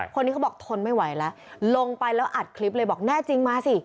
คนนี้เขาบอกทนไม่ไหวแล้วลงไปแล้วอัดคลิปเลยบอกแน่จริงมาสิ